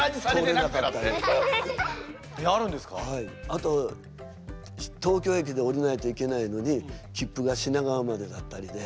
あと東京駅でおりないといけないのにきっぷが品川までだったりで。